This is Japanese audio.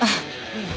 うん。